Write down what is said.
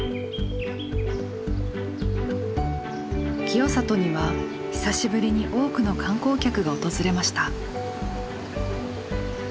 清里には久しぶりに多くの観光客が訪れました。